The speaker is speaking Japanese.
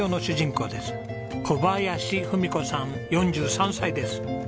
小林郁子さん４３歳です。